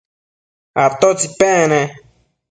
¿atótsi pec ne?